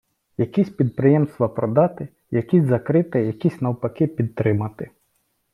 Якісь підприємства продати, якісь закрити, якісь навпаки підтримати.